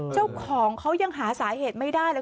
เจ้าของเขายังหาสาเหตุไม่ได้เลย